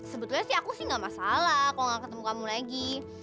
sebetulnya aku sih enggak masalah kalau enggak ketemu kamu lagi